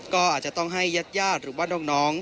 ก็อาจจะต้องให้ญาติญาติหรือว่าน้อง